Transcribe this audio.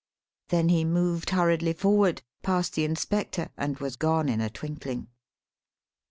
Then he moved hurriedly forward, passed the inspector, and was gone in a twinkling.